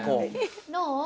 どう？